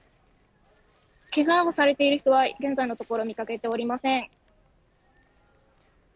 けがをされている方は現在のところ見かけていません。